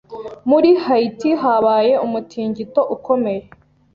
Muri Haiti, habaye umutingito ukomeye.